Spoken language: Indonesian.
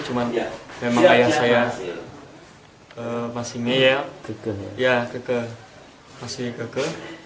cuma memang ayah saya masih nge ke